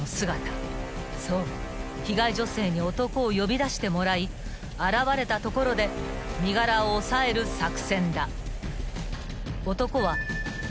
［そう被害女性に男を呼び出してもらい現れたところで身柄を押さえる作戦だ］